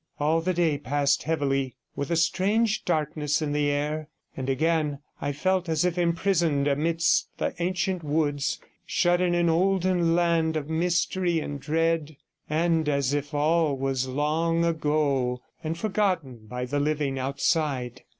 All the day passed heavily with a strange darkness in the air, and again I felt as if imprisoned amidst the ancient woods, shut in an olden land of mystery and dread, and as if all was long ago and forgotten by the living outside.